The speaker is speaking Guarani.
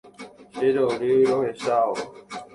Cherory rohechávo